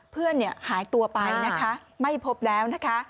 เพื่อนหายตัวไปนะคะไม่พบแล้วนะคะ